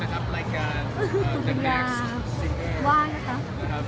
เหมือนกับว่า๑๐ปีเขาหาไว้ใช่ไหม